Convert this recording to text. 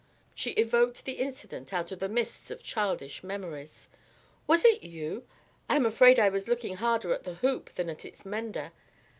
She evoked the incident out of the mists of childish memories. "Was it you? I am afraid I was looking harder at the hoop than at its mender.